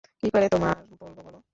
কী করে তোমার বলবো, বলো?